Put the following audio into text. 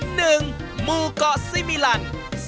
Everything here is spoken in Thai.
หมู่เกาะซีมิลัน